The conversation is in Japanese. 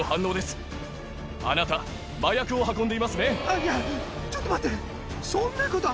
いやちょっと待って！